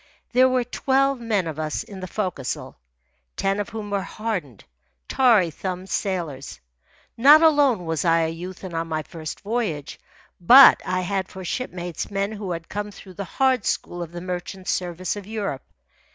There were twelve men of us in the forecastle, ten of whom were hardened, tarry thumbed sailors. Not alone was I a youth and on my first voyage, but I had for shipmates men who had come through the hard school of the merchant service of Europe.